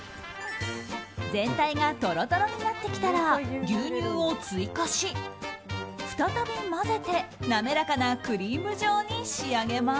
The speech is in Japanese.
全体がトロトロになってきたら牛乳を追加し再び混ぜて滑らかなクリーム状に仕上げます。